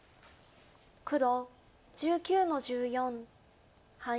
黒１９の十四ハイ。